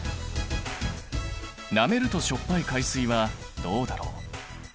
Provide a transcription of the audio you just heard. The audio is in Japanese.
なめるとしょっぱい海水はどうだろう。